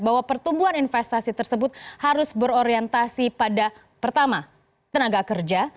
bahwa pertumbuhan investasi tersebut harus berorientasi pada pertama tenaga kerja